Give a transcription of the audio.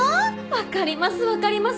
わかりますわかります。